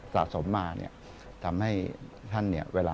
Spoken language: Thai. สะสมมาทำให้ท่าน